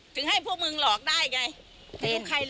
เขาก็โมโหไปเหมือนกัน